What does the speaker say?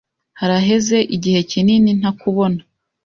Haraheze igihe kinini ntakubona.